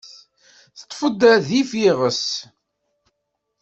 Teṭṭef-d adif iɣes.